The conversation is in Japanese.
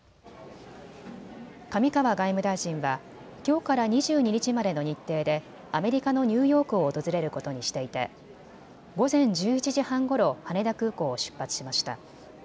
上川外務大臣はきょうから２２日までの日程でアメリカのニューヨークを訪れることにしていて午前１１時半ごろ、羽田空港を出発しました。